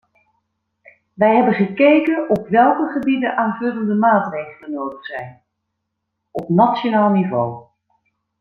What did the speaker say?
We hebben gekeken op welke gebieden aanvullende maatregelen nodig zijn: op nationaal niveau.